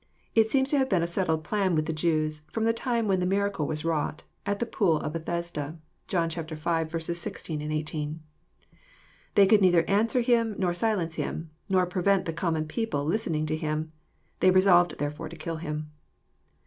It seems to have been a settled plan with the Jews from the time when the miracle was wrought at the pool of Bethesda. (John v. 16, 18.) They could neither answer Him, nor silence Him, nor prevent the common people listening to Him. They resolved therefore to kill Him.